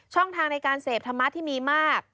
ทางในการเสพธรรมะที่มีมาก